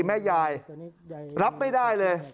แม่ยายรับไม่ได้เลย